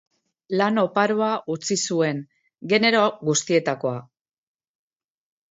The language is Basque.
Lan oparoa utzi zuen, genero guztietakoa.